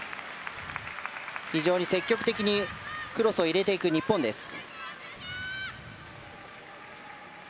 非常に積極的にクロスを入れていく日本です。